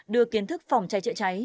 đưa kiến thức phòng trái trợ trái